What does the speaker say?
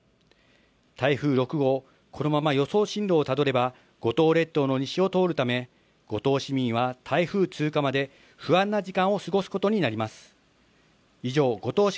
台風６号、このまま予想進路をたどれば、五島列島の西を通るため五島市民は台風通過まで不安な時間を過ごすことになります。